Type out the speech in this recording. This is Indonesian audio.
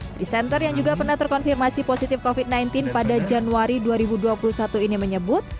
presenter yang juga pernah terkonfirmasi positif covid sembilan belas pada januari dua ribu dua puluh satu ini menyebut